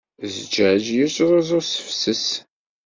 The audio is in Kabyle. Zzǧaǧ yettruẓu s tefses.